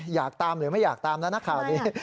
อยากตามหรือไม่อยากตามแล้วนะข่าวนี้